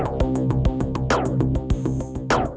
kalau gitu sekarang kamu bantuin kakak